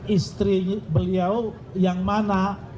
istri beliau yang mana